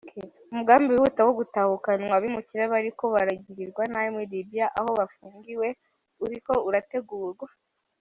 Umugambi wihuta wo gutahukanwa abimukira bariko baragirigwa nabi muri Libya aho bapfungiwe, uriko urategurwa.